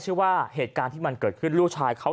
ฉลีกไม่เคยเปลี่ยน